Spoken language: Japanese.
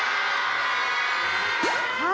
はい。